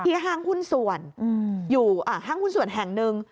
ห้างหุ้นส่วนอยู่ห้างหุ้นส่วนแห่งหนึ่ง